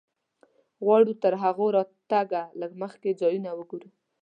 غواړو تر هغوی راتګه لږ زیات ځایونه وګورو.